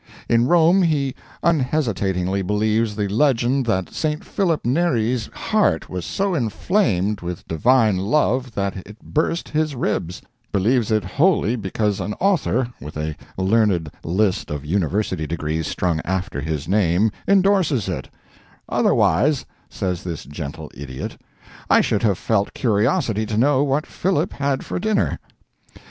In Rome he unhesitatingly believes the legend that St. Philip Neri's heart was so inflamed with divine love that it burst his ribs—believes it wholly because an author with a learned list of university degrees strung after his name endorses it—"otherwise," says this gentle idiot, "I should have felt curiosity to know what Philip had for dinner."